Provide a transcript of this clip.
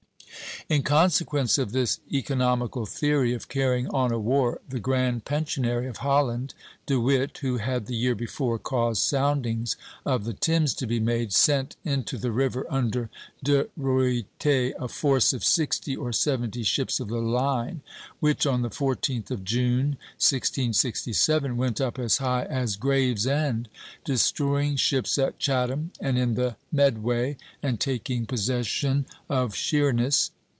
" In consequence of this economical theory of carrying on a war, the Grand Pensionary of Holland, De Witt, who had the year before caused soundings of the Thames to be made, sent into the river, under De Ruyter, a force of sixty or seventy ships of the line, which on the 14th of June, 1667, went up as high as Gravesend, destroying ships at Chatham and in the Medway, and taking possession of Sheerness.